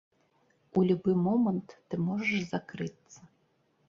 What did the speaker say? У любы момант ты можаш закрыцца.